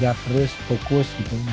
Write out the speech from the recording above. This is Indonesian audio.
biar dia terus fokus gitu